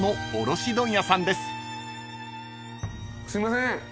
すいません。